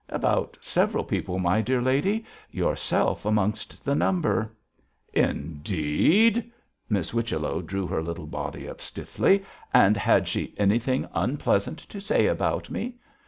'About several people, my dear lady; yourself amongst the number.' 'Indeed!' Miss Whichello drew her little body up stiffly. 'And had she anything unpleasant to say about me?'